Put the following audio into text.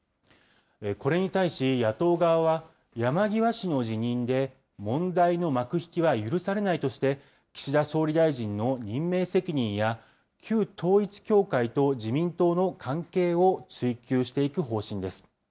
これに対し、野党側は、山際氏の辞任で問題の幕引きは許されないとして、岸田総理大臣の任命責任や、旧統一教会と自民党の関係を追及していく方針です。